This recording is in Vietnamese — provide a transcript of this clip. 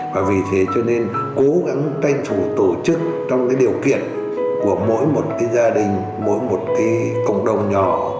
và vì thế cho nên cố gắng tranh thủ tổ chức trong cái điều kiện của mỗi một cái gia đình mỗi một cái cộng đồng nhỏ